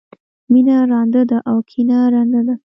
مینه رانده ده او کینه ړنده ده.